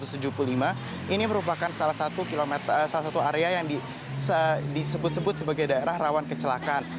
di pukul dua ratus lima belas ini merupakan salah satu area yang disebut sebut sebagai daerah rawan kecelakaan